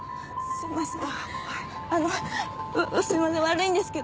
すいません。